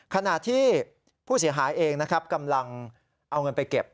ขณะที่ผู้เสียหายเองนะครับกำลังเอาเงินไปเก็บ